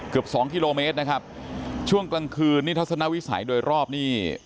สองกิโลเมตรนะครับช่วงกลางคืนนี่ทัศนวิสัยโดยรอบนี่